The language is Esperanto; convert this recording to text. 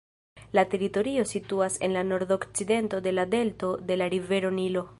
La teritorio situas en la nordokcidento de la delto de la rivero Nilo.